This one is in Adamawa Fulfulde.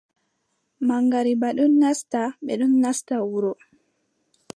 Maŋgariiba ɗon nasta, ɓe ɗon nasta wuro.